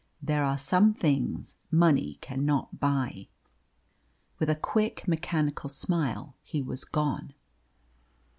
There are some things money cannot buy." With a quick mechanical smile he was gone.